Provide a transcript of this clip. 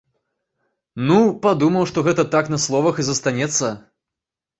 Ну, падумаў, што гэта так на словах і застанецца.